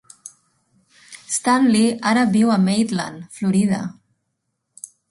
Stanley ara viu a Maitland, Florida.